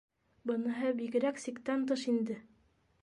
Быныһы бигерәк сиктән тыш инде.